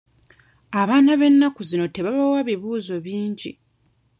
Abaana b'ennaku zino tebabawa bibuuzo bingi.